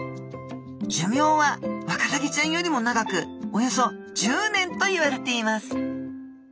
寿命はワカサギちゃんよりも長くおよそ１０年といわれています